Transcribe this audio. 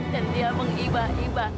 dan dia mengiba iba